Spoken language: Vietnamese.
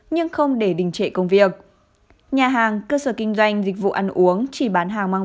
nhưng không để đình trệ công việc nhà hàng cơ sở kinh doanh dịch vụ ăn uống chỉ bán hàng măng